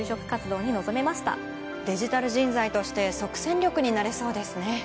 デジタル人材として即戦力になれそうですね。